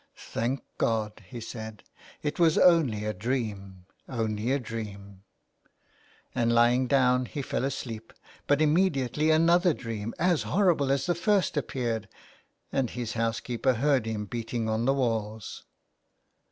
" Thank God," he said, " it was only a dream — only a dream." And lying down he fell asleep, but immediately another dream as horrible as the first appeared, and his housekeeper heard him beating on the walls.